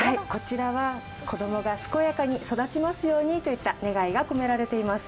こちらは子供が健やかに育ちますようにといった願いが込められております。